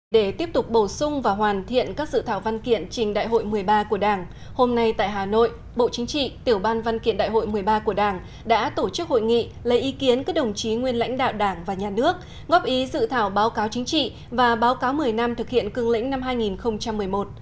để tiếp tục bổ sung và hoàn thiện các dự thảo văn kiện trình đại hội một mươi ba của đảng hôm nay tại hà nội bộ chính trị tiểu ban văn kiện đại hội một mươi ba của đảng đã tổ chức hội nghị lấy ý kiến các đồng chí nguyên lãnh đạo đảng và nhà nước góp ý dự thảo báo cáo chính trị và báo cáo một mươi năm thực hiện cương lĩnh năm hai nghìn một mươi một